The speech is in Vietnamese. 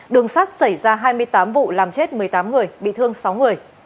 đường sắt xảy ra hai mươi tám vụ làm chết một mươi tám người bị thương sáu người